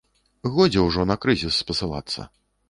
Годзе ўжо на крызіс спасылацца.